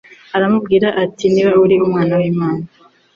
aramubwira ati ‘Niba uri Umwana w’Imana,